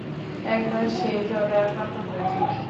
একবার সেই জ্বরে আক্রান্ত হয়েছিলাম!